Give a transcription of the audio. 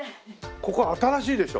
ここ新しいでしょ？